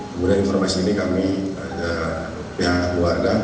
kemudian informasi ini kami pihak luar nam